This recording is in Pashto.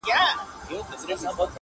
بازارونه مالامال دي له رنګونو -